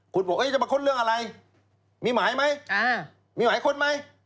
คุณบอกจะมาค้นเรื่องอะไรมีหมายไหมมีหมายค้นไหม